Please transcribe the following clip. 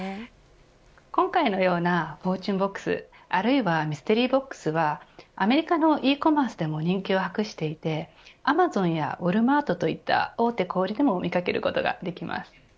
今回のようなフォーチュンボックスはあるいはミステリーボックスはアメリカのｅコマースでも人気を博していてＡｍａｚｏｎやＷａｌｍａｒｔといった大手小売りでも見掛けることができます。